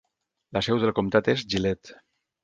La seu del comtat és Gillette.